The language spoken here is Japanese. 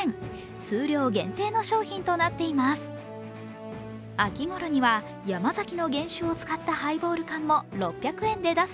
数量限定の商品となっています。